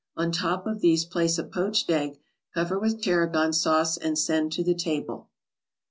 On top of these place a poached egg, cover with tarragon sauce, and send to the table.